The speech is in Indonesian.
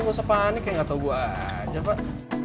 lo sepanik kayak gak tau gue aja pak